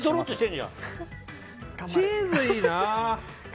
チーズいいな。